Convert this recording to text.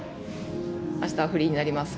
明日はフリーになります。